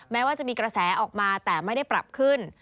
แม้ว่าจะมีกระแสออกมาแต่ไม่ได้ปรับขึ้น